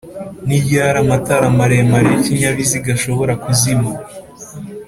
Niryari amatara maremare y’ikinyabiziga ashobora kuzima